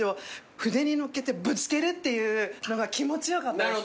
筆に乗っけてぶつけるっていうのが気持ちよかったです。